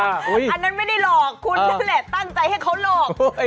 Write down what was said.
อันนั้นไม่ได้หลอกคุณนั่นแหละตั้งใจให้เขาหลอก